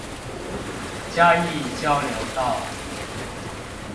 嘉義交流道